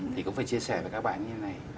thì cũng phải chia sẻ với các bạn như thế này